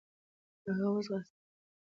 هغه و ځغاستی .